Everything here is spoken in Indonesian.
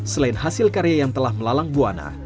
selain hasil karya yang telah melalang buana